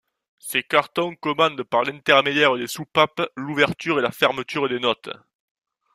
Ces cartons commandent par l'intermédiaire des soupapes l'ouverture et la fermeture des notes.